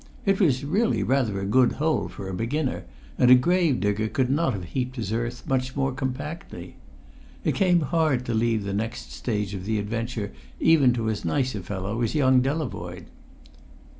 It was really rather a good hole for a beginner, and a grave digger could not have heaped his earth much more compactly. It came hard to leave the next stage of the adventure even to as nice a fellow as young Delavoye.